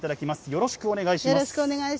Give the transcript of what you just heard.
よろしくお願いします。